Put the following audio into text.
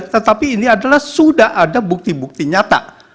tetapi ini adalah sudah ada bukti bukti nyata